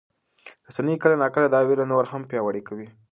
رسنۍ کله ناکله دا ویره نوره هم پیاوړې کوي.